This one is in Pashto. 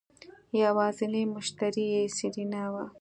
يوازينی مشتري يې سېرېنا وه.